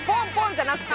じゃなくて。